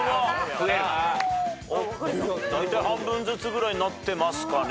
おっだいたい半分ずつぐらいになってますかね。